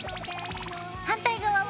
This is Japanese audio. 反対側は？